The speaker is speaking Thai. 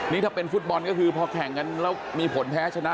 นี่ถ้าเป็นฟุตบอลก็คือพอแข่งกันแล้วมีผลแพ้ชนะ